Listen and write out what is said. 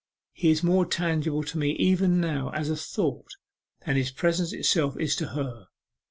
He is more tangible to me even now, as a thought, than his presence itself is to her!